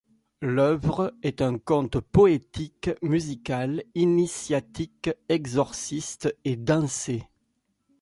L’œuvre est un conte poétique musical, initiatique, exorciste et dansé.